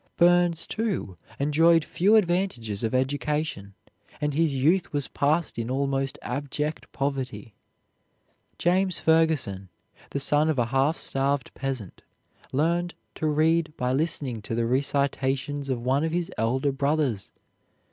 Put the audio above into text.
Burns, too, enjoyed few advantages of education, and his youth was passed in almost abject poverty. James Ferguson, the son of a half starved peasant, learned to read by listening to the recitations of one of his elder brothers.